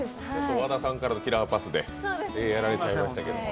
和田さんからのキラーパスでやられちゃいましたけど。